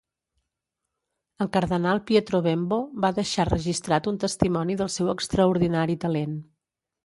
El cardenal Pietro Bembo va deixar registrat un testimoni del seu extraordinari talent.